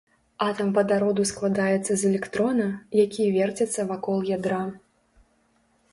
Атам вадароду складаецца з электрона, які верціцца вакол ядра.